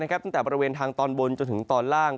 ตั้งแต่บริเวณทางตอนบนจนถึงตอนล่าง